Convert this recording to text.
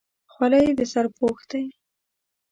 خولۍ د سر پوښ دی.